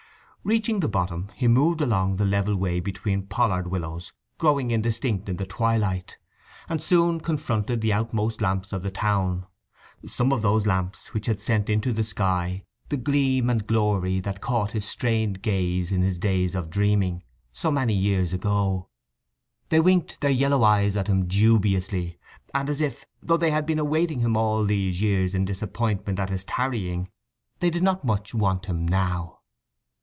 Reaching the bottom he moved along the level way between pollard willows growing indistinct in the twilight, and soon confronted the outmost lamps of the town—some of those lamps which had sent into the sky the gleam and glory that caught his strained gaze in his days of dreaming, so many years ago. They winked their yellow eyes at him dubiously, and as if, though they had been awaiting him all these years in disappointment at his tarrying, they did not much want him now.